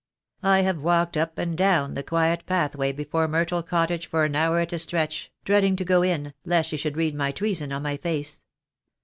I have walked up and down the quiet pathway before Myrtle Cottage for an hour at a stretch, dreading to go in, lest she should read my treason in my face.